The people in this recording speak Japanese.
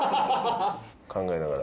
考えながら。